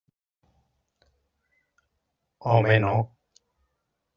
Home, no.